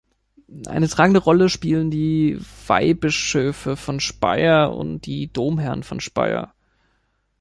Eine tragende Rolle spielen die Weihbischöfe von Speyer und die Domherren von Speyer.